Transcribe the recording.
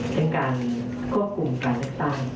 เป็นการควบคุมการเลือกตั้ง